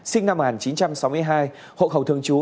sinh năm một nghìn chín trăm sáu mươi hai hộ khẩu thường trú